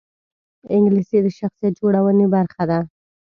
انګلیسي د شخصیت جوړونې برخه ده